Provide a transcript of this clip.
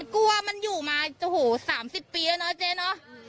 กลัวมันอยู่มาโอ้โหสามสิบปีแล้วเนอะเจ๊เนอะ